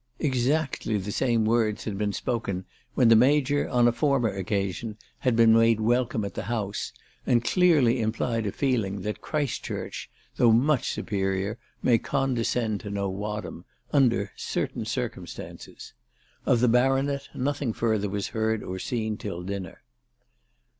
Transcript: Exactly the same words had been spoken when the Major, on a former occasion, had been made welcome at the house, and clearly implied a feeling that Christchurch, though much superior, may condescend to know Wadham under certain circumstances. Of the Baronet nothing fur ther was heard or seen till dinner.